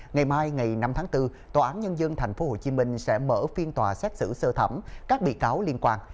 ngày mai ngày năm tháng bốn tòa án nhân dân tp hcm sẽ mở phiên tòa xét xử sơ thẩm các bị cáo liên quan